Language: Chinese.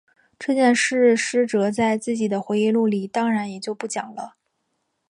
这件事师哲在自己的回忆录里当然也就不讲了。